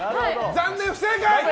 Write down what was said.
残念、不正解！